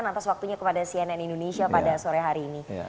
atas waktunya kepada cnn indonesia pada sore hari ini